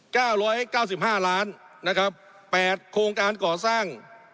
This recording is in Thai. เก้าร้อยเก้าสิบห้าล้านนะครับแปดโครงการก่อสร้าง